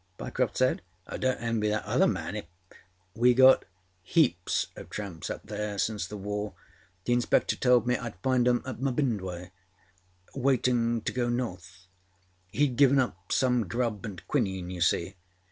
â Pyecroft said. âI donât envy that other man ifâââ âWe get heaps of tramps up there since the war. The inspector told me Iâd find âem at MâBindwe siding waiting to go North. Heâd given âem some grub and quinine, you see.